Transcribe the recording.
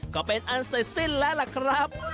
ก็เป็นอันเสร็จสิ้นแล้วล่ะครับ